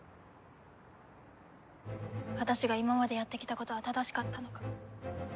私が今までやってきたことは正しかったのか。